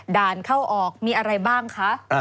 ด่านเข้าออกมีอะไรบ้างคะ